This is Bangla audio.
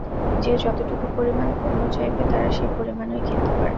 যে যতটুকু পরিমাণ পণ্য চাইবে, তারা সে পরিমাণই কিনতে পারবে।